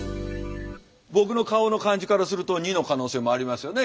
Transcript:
僕の顔の感じからすると②の可能性もありますよね。